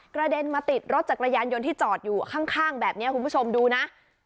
เด็นมาติดรถจักรยานยนต์ที่จอดอยู่ข้างแบบนี้คุณผู้ชมดูนะ